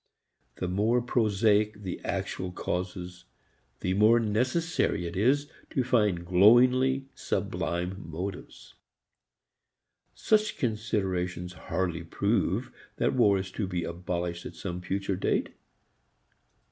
The more prosaic the actual causes, the more necessary is it to find glowingly sublime motives. Such considerations hardly prove that war is to be abolished at some future date.